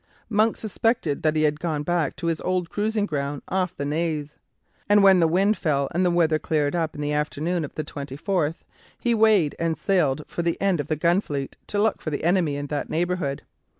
Monk suspected that he had gone back to his old cruising ground off the Naze, and when the wind fell and the weather cleared up in the afternoon of the 24th he weighed and sailed for the end of the Gunfleet to look for the enemy in that neighbourhood.